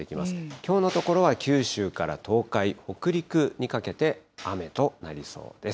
きょうのところは九州から東海、北陸にかけて雨となりそうです。